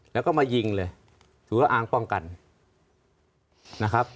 แล้วก็มายิงเลยถุงละอางป้องกันนะครับ